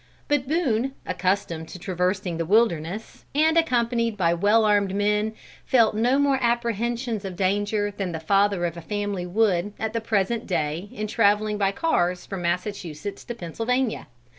But Boone, accustomed to traversing the wilderness, and accompanied by well armed men, felt no more apprehensions of danger than the father of a family would at the present day in traveling by cars from Massachusetts to Pennsylvania.